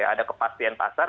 ada kepastian pasar